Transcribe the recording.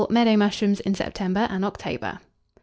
Meadow mushrooms in September and October.